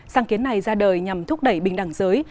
sáng kiến này ra đời nhằm thúc đẩy bình đẳng giới